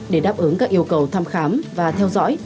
để đáp ứng các yêu cầu thăm khám và theo dõi